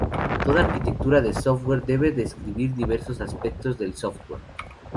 Toda arquitectura de software debe describir diversos aspectos del software.